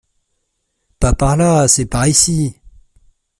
Pas par là, c’est par ici !